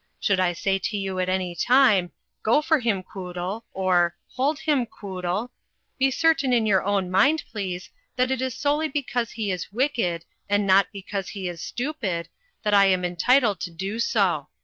Should I say to you at any time, 'Go for him, Quoodle,' or 'Hold him, Quoodle,' be certain in your own mind, please, that it is solely because he is wicked and not because he is stupid, that I am entitled to do ^ so.